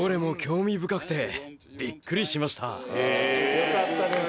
よかったです